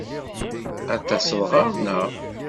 Ad d-taseḍ ɣer-neɣ?